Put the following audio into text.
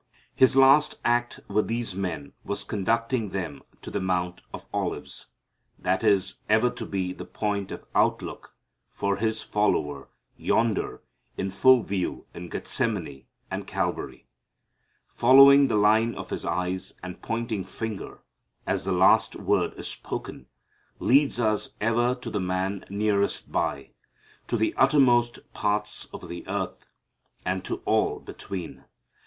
His last act with these men was conducting them to the Mount of Olives. That is ever to be the point of outlook for His follower. Yonder in full view is Gethsemane and Calvary. Following the line of His eyes and pointing finger, as the last word is spoken, leads us ever to the man nearest by, to the uttermost parts of the earth, and to all between.